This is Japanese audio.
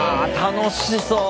楽しそう！